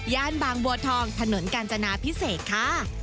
บางบัวทองถนนกาญจนาพิเศษค่ะ